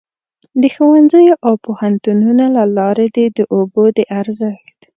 د ښوونځیو او پوهنتونونو له لارې دې د اوبو د ارزښت.